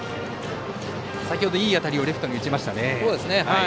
先ほどいい当たりをレフトに打ちました。